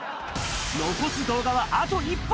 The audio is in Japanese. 残す動画はあと１本。